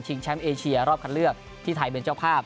แชมป์เอเชียรอบคันเลือกที่ไทยเป็นเจ้าภาพ